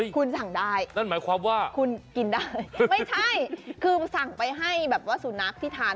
คุณสั่งได้คุณกินได้ไม่ใช่คือสั่งไปให้สุนักที่ทาน